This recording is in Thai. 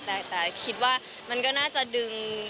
แต่คิดว่ามันก็น่าจะดึง